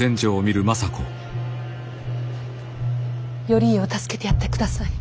頼家を助けてやってください。